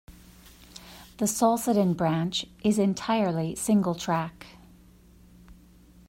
The Solsidan branch is entirely single track.